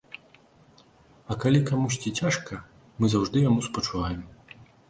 А калі камусьці цяжка, мы заўжды яму спачуваем.